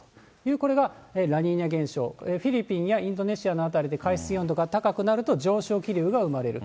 これがラニーニャ現象、フィリピンやインドネシアの辺りで、海水温度が高くなると上昇気流が生まれる。